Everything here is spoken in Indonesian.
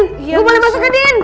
gua mulai masuk ke din